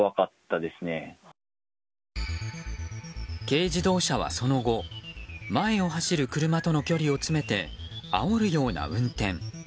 軽自動車はその後前を走る車との距離を詰めてあおるような運転。